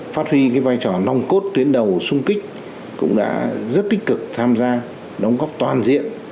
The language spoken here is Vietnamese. phát huy cái vai trò nong cốt tuyến đầu xung kích cũng đã rất tích cực tham gia đóng góp toàn diện